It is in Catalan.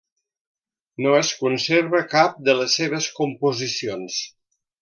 No es conserva cap de les seves composicions.